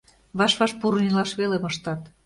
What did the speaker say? Ваш-ваш пурын илаш веле моштат!